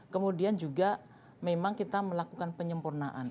kemudian juga memang kita melakukan penyempurnaan